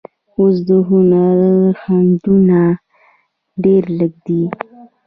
اوس د هنر خنډونه ډېر لږ دي.